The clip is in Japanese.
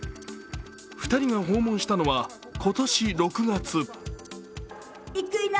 ２人が訪問したのは、今年６月。